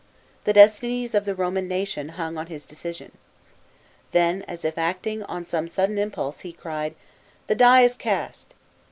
The destinies of the Roman nation hung on his decision. Then, as if acting on some sudden impulse, he cried, "The die is cast."